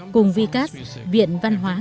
cùng vcas viện văn hóa